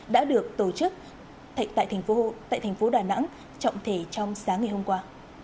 đã được tổ chức tại thành phố đà nẵng trọng thể trong sáng ngày hôm qua